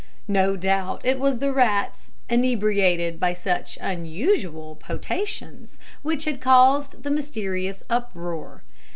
No doubt it was the rats, inebriated by such unusual potations, which had caused the mysterious uproar.